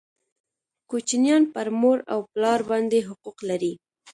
کوچنیان پر مور او پلار باندي حقوق لري